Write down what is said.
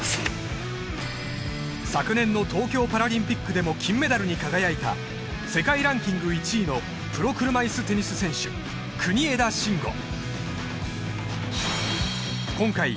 昨年の東京パラリンピックでも金メダルに輝いた世界ランキング１位のプロ車いすテニス選手国枝慎吾